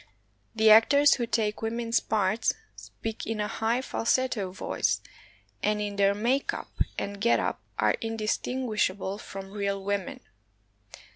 The actors who take women's parts speak in a high falsetto voice, and in their make up and get up are indistinguishable from real women.